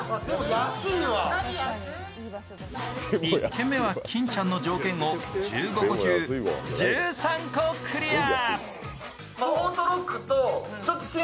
１軒目は金ちゃんの条件を１５個中、１３個クリア。